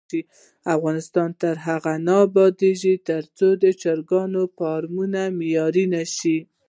افغانستان تر هغو نه ابادیږي، ترڅو د چرګانو فارمونه معیاري نشي.